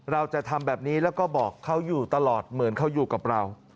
เราจะทำแบบนี้แล้วก็บอกเขาอยู่ตลอดเหมือนเขาอยู่กับเรา